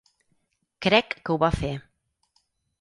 Crec que ho va fer.